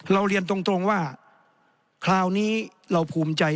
เรียนตรงว่าคราวนี้เราภูมิใจ